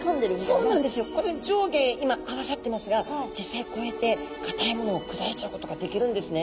この上下今合わさってますが実際こうやってかたいものを砕いちゃうことができるんですね。